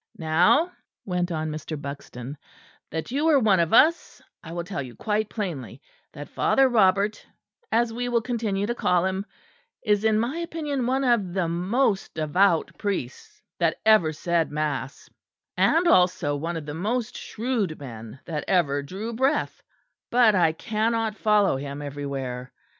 "Now," went on Mr. Buxton, "that you are one of us, I will tell you quite plainly that Father Robert, as we will continue to call him, is in my opinion one of the most devout priests that ever said mass; and also one of the most shrewd men that ever drew breath; but I cannot follow him everywhere.